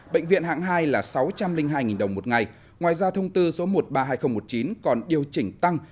bệnh viện hạng hai là sáu trăm linh hai đồng một ngày ngoài ra thông tư số một trăm ba mươi hai nghìn một mươi chín còn điều chỉnh tăng